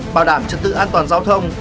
bảo đảm trật tự an toàn giao thông